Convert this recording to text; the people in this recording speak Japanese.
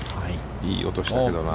いい音がしたけどね。